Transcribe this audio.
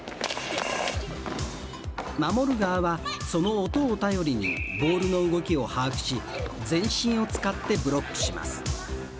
守る側は、その音を頼りにボールの動きを把握し全身を使ってブロックします。